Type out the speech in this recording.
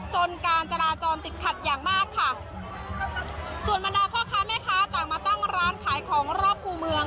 การจราจรติดขัดอย่างมากค่ะส่วนบรรดาพ่อค้าแม่ค้าต่างมาตั้งร้านขายของรอบคู่เมือง